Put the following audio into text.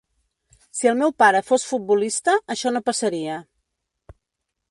Si el meu pare fos futbolista, això no passaria.